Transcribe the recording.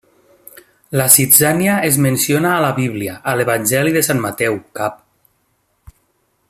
La zitzània es menciona a la Bíblia a l'evangeli de Sant Mateu, Cap.